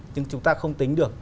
nhưng chúng ta không tính được